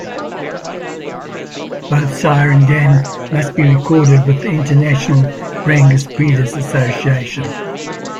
Both sire and dam must be recorded with the International Brangus Breeders Association.